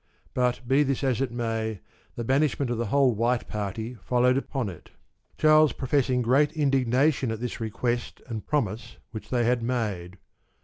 But be this as it may, the banishment of the whole White Party followed upon it, Charles professing great indignation at this request and promise which they had made.